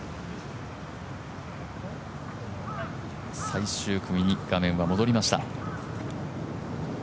最終組に画面は戻りました。